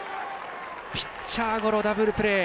ピッチャーゴロダブルプレー。